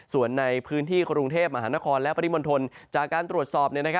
ส่วนในพื้นที่กรุงเทพมหานครและปริมณฑลจากการตรวจสอบ